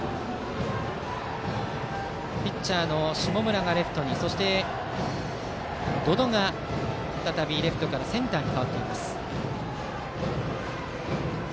ピッチャーの下村がレフトにそして、百々が再びレフトからセンターへ。